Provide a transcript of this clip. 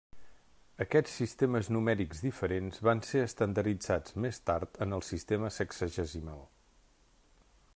Aquests sistemes numèrics diferents van ser estandarditzats més tard en el sistema sexagesimal.